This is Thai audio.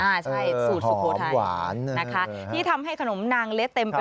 ใช่สูตรสุโขทัยนะคะที่ทำให้ขนมนางเล็ดเต็มไป